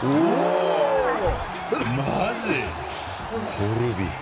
コルビ。